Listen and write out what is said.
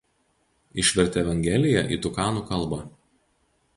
Išvertė Evangeliją į tukanų kalbą.